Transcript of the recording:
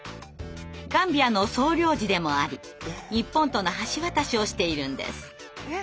ガンビアの総領事でもあり日本との橋渡しをしているんです。